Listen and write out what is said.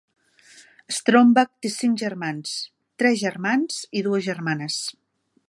Stromback té cinc germans, tres germans i dues germanes.